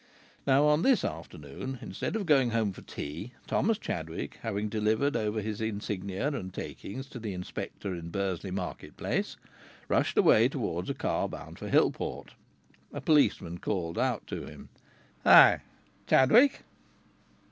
Now on this afternoon, instead of going home for tea, Thomas Chadwick, having delivered over his insignia and takings to the inspector in Bursley market place, rushed away towards a car bound for Hillport. A policeman called out to him: "Hi! Chadwick!"